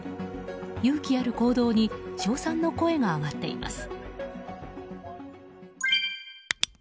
勇気ある行動に称賛の声が上がっています。